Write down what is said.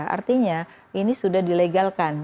artinya ini sudah dilegalkan